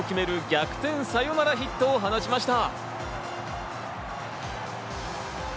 逆転サヨナラヒットを放ちました。